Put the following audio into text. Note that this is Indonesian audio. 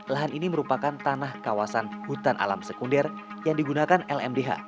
lahan ini merupakan tanah kawasan hutan alam sekunder yang digunakan lmdh